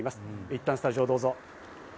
いったんスタジオどうぞ。